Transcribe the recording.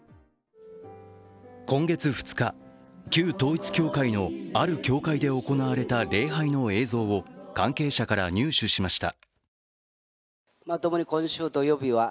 今月２日、旧統一教会のある教会で行われた礼拝の映像を関係者から入手しました。